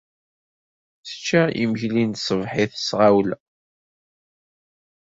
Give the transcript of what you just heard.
Tečča imekli n tṣebḥit s tɣawla.